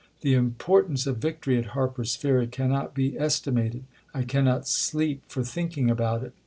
.. The importance of victory at Harper's Ferry cannot be estimated. I cannot sleep for thinking about it.